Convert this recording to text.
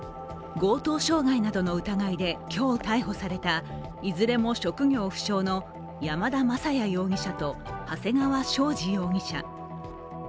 強盗傷害などの疑いで今日逮捕されたいずれも職業不詳の山田雅也容疑者と長谷川将司容疑者。